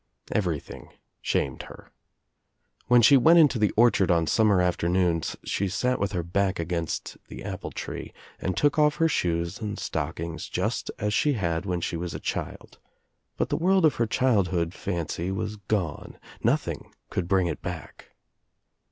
Everything shamed her. When she went Into the orchard on summer afternoons she sat with her back against the apple tree and took oS her shoes and stock* ings just as she had when she was a child, but the world of her childhood fancy was gone, nothing could bring it back.